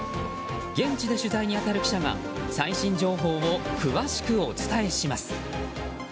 現地で取材に当たる記者が最新情報を詳しくお伝えします。